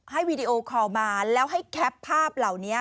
วีดีโอคอลมาแล้วให้แคปภาพเหล่านี้